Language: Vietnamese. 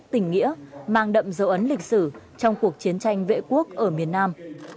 tỉnh nghĩa mang đậm dấu ấn lịch sử trong cuộc chiến tranh vệ quốc ở miền nam